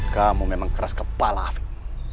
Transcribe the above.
kamu memang keras kepala aku